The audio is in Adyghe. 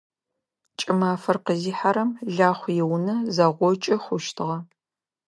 КӀымафэр къызихьэрэм Лахъу иунэ зэгъокӀы хъущтыгъэп.